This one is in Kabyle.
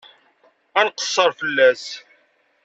Ad nqeṣṣer fell-as.